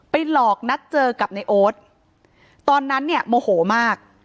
หลอกนัดเจอกับในโอ๊ตตอนนั้นเนี่ยโมโหมาก